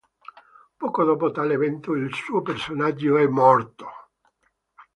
Poco dopo tale evento, il suo personaggio è "morto".